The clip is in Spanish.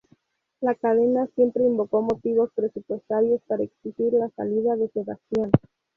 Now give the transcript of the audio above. La cadena siempre invocó motivos presupuestarios para exigir la salida de Sebastián.